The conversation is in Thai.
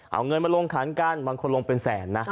เอาเงินมาลงขันกันบางคนลงเป็นแสนนะ